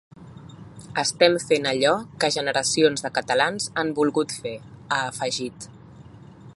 Estem fent allò que generacions de catalans han volgut fer, ha afegit.